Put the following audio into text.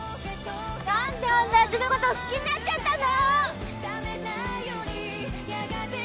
「何であんなやつのこと好きになっちゃったんだろ！」